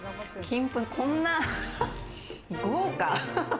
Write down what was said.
金粉、こんな、豪華！